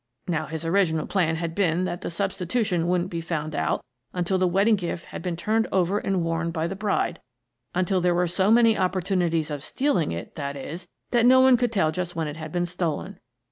Now, his origi nal plan had been that the substitution shouldn't be found out until the wedding gift had been turned over and worn by the bride — until there were so many opportunities of stealing it, that is, that no one could tell just when it had been stolen.